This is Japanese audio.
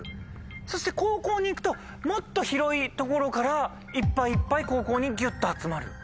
そして高校に行くともっと広い所からいっぱいいっぱい高校にギュっと集まる。